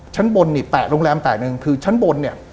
ชั้นบนนี่แตะโรงแรมแตะหนึ่งคือชั้นบนเนี่ย